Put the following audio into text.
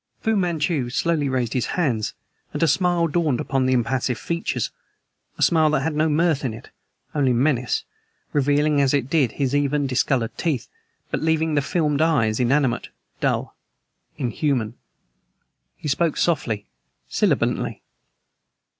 Fu Manchu slowly raised his hands, and a smile dawned upon the impassive features a smile that had no mirth in it, only menace, revealing as it did his even, discolored teeth, but leaving the filmed eyes inanimate, dull, inhuman. He spoke softly, sibilantly.